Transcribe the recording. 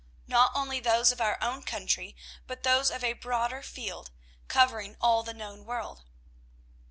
Not only those of our own country, but those of a broader field, covering all the known world.